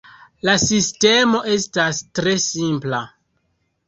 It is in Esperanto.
La sistemo estas tre simpla.